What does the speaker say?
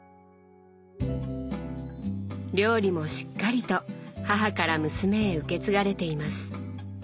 料理もしっかりと母から娘へ受け継がれています。